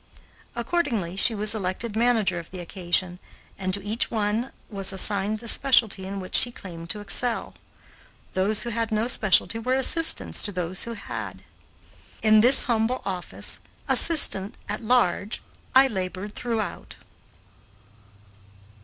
Accordingly she was elected manager of the occasion, and to each one was assigned the specialty in which she claimed to excel. Those who had no specialty were assistants to those who had. In this humble office "assistant at large" I labored throughout.